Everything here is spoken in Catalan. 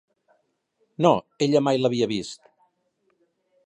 No, ella mai l"havia vist.